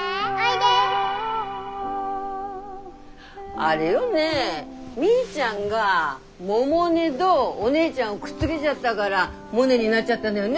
あれよねみーちゃんが百音どお姉ちゃんをくっつげちゃったがらモネになっちゃったのよね？